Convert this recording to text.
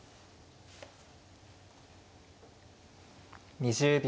２０秒。